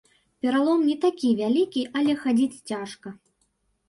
Пералом не такі вялікі, але хадзіць цяжка.